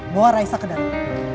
bawa raisa ke dalam